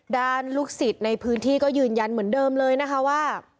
ลูกศิษย์ในพื้นที่ก็ยืนยันเหมือนเดิมเลยนะคะว่า